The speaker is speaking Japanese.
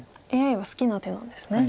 ＡＩは好きな手なんですね。